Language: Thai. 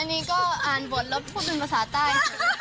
อันนี้ก็อ่านบทแล้วพูดเป็นภาษาใต้